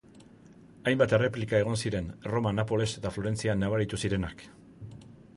Hainbat erreplika egon ziren, Erroma, Napoles eta Florentzian nabaritu zirenak.